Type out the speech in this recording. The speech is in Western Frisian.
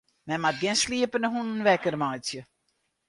Men moat gjin sliepende hûnen wekker meitsje.